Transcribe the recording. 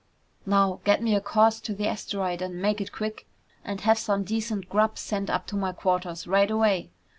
"Now get me a course to the asteroid and make it quick. And have some decent grub sent up to my quarters right away!"